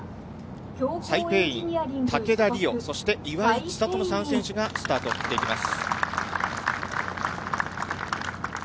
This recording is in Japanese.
サイ・ペイイン、竹田麗央、そして岩井千怜の３選手がスタートをしています。